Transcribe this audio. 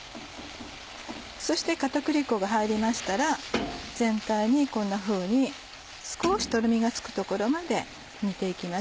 そして片栗粉が入りましたら全体にこんなふうに少しとろみがつくところまで煮て行きます。